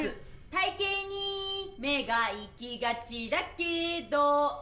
体形に目が行きがちだけど